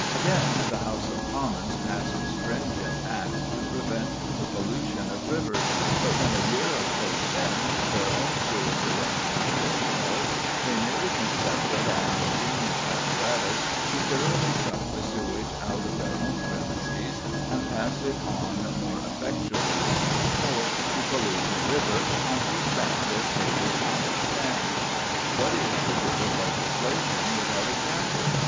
Again, the House of Commons passed a stringent Act to prevent the pollution of rivers, but when, a year or so since, their own sewage arrangements were at fault, they merely constructed an ingenious apparatus to thoroughly suck the sewage out of their own premises and pass it on more effectually than before to pollute the river on whose bank their stately palace stands. What is the good of legislation without example?